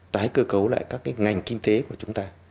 tái cơ cấu lại các cái ngành kinh tế của chúng ta